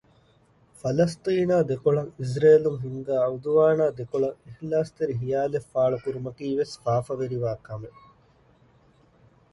ފަލަސްޠީނާ ދެކޮޅަށް އިޒްރޭލުން ހިންގާ ޢުދުވާނާ ދެކޮޅަށް އިޚްލާޞްތެރި ޚިޔާލެއް ފާޅުކުރުމަކީވެސް ފާފަވެރިވާ ކަމެއް